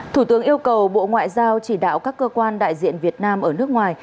thủ tướng yêu cầu bộ ngoại giao chỉ đạo các cơ quan đại diện việt nam ở nước ngoài